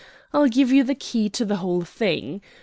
I'll give you the key to the whole thing.